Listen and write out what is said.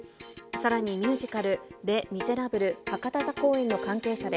さらにミュージカル、レ・ミゼラブル博多座公演の関係者で、